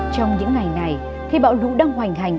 trong những ngày này khi bão lũ đang hoành hành